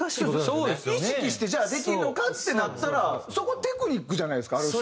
意識してじゃあできるのか？ってなったらそこはテクニックじゃないですかある種。